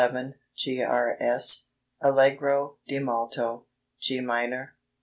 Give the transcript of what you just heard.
"G. R. S." Allegro di molto, G minor, 2 2.